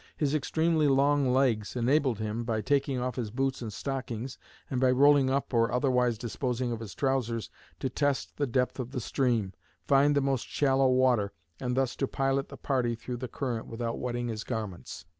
His extremely long legs enabled him, by taking off his boots and stockings, and by rolling up or otherwise disposing of his trousers, to test the depth of the stream, find the most shallow water, and thus to pilot the party through the current without wetting his garments."